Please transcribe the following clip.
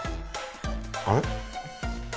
あれ？